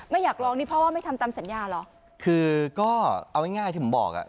อยากลองนี่เพราะว่าไม่ทำตามสัญญาเหรอคือก็เอาง่ายง่ายที่ผมบอกอ่ะ